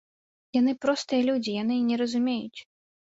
Яны простыя людзі, яны не разумеюць.